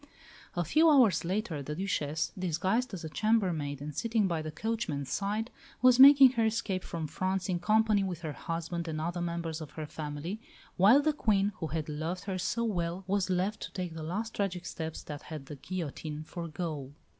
A few hours later the Duchesse, disguised as a chambermaid and sitting by the coachman's side, was making her escape from France in company with her husband and other members of her family, while the Queen who had loved her so well was left to take the last tragic steps that had the guillotine for goal.